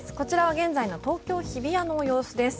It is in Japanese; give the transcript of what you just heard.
現在の東京・日比谷の様子です。